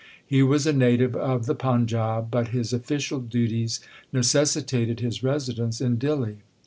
He was a native of the Panjab, but his official duties necessitated his residence in Dihli.